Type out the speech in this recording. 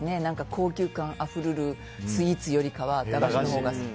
高級感あふれるスイーツよりかは駄菓子のほうが。